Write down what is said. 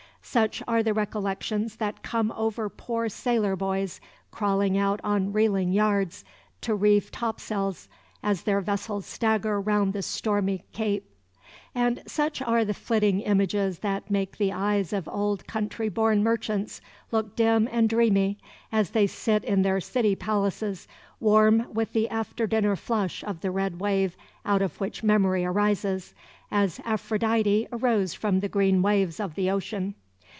Such are the recollections that come over poor sailor boys crawling out on reeling yards to reef topsails as their vessels stagger round the stormy Cape; and such are the flitting images that make the eyes of old country born merchants look dim and dreamy, as they sit in their city palaces, warm with the after dinner flush of the red wave out of which Memory arises, as Aphrodite arose from the green waves of the ocean.